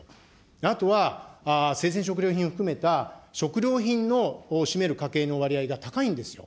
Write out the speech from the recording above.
あとは、生鮮食料品を含めた食料品の占める家計の割合が高いんですよ。